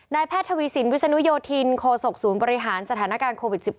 แพทย์ทวีสินวิศนุโยธินโคศกศูนย์บริหารสถานการณ์โควิด๑๙